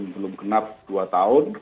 belum kenap dua tahun